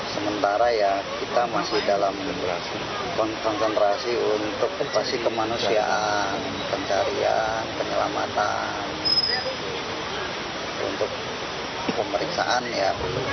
sementara ya kita masih dalam konsentrasi untuk operasi kemanusiaan pencarian penyelamatan untuk pemeriksaan ya